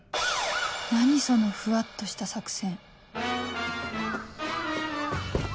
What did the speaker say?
何そのふわっとした作戦